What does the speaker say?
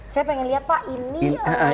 saya pengen lihat pak ini